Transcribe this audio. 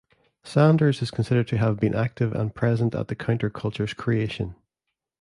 Sanders is considered to have been active and present at the counterculture's creation.